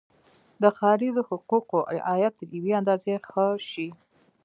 د ښاریزو حقوقو رعایت تر یوې اندازې ښه شي.